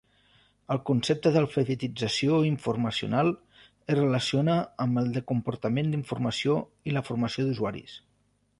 El concepte d'alfabetització informacional es relaciona amb el de comportament d'informació i la formació d'usuaris.